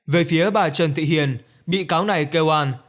về phía bà trần thị hiền bị cáo này kêu an